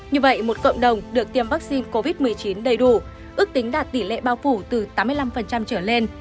như vậy một cộng đồng được tiêm vaccine covid một mươi chín đầy đủ ước tính đạt tỷ lệ bao phủ từ tám mươi năm trở lên